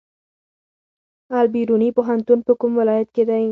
البیروني پوهنتون په کوم ولایت کې دی؟